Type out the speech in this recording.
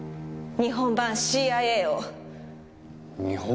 日本版ＣＩＡ。